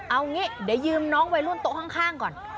เอางี้เดี๋ยวยืมน้องวัยรุ่นโต๊ะข้างก่อน